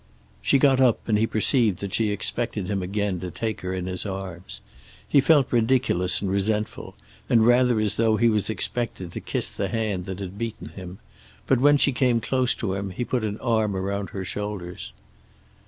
She got up, and he perceived that she expected him again to take her in his arms. He felt ridiculous and resentful, and rather as though he was expected to kiss the hand that had beaten him, but when she came close to him he put an arm around her shoulders.